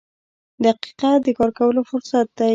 • دقیقه د کار کولو فرصت دی.